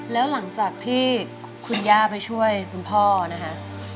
แล้วหลังจากที่คุณย่าไปช่วยคุณพ่อนะคะ